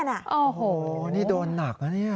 นี่โดนหนักแล้วนี่